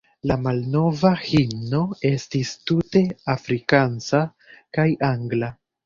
La malnova himno estis tute afrikansa kaj angla.